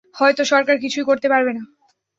হয়তো সরকার কিছুই করতে পারবে না।